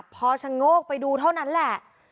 พอชะโงกไปดูเท่านั้นแหละ